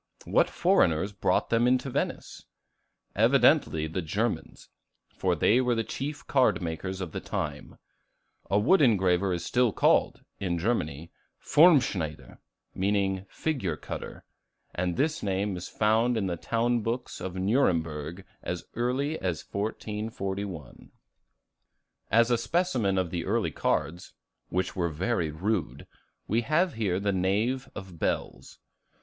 What foreigners brought them to Venice? Evidently the Germans; for they were the chief card makers of the time. A wood engraver is still called, in Germany, Formschneider, meaning figure cutter; and this name is found in the town books of Nuremburg as early as 1441. As a specimen of the early cards, which were very rude, we have here the Knave of Bells.